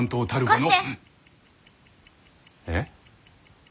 えっ？